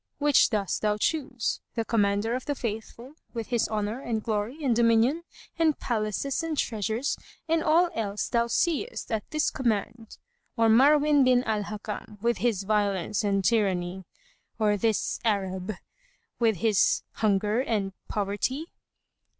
Which dost thou choose; the Commander of the Faithful, with his honour and glory and dominion and palaces and treasures and all else thou seest at this command, or Marwin bin al Hakam with his violence and tyranny, or this Arab, with his hunger and poverty?"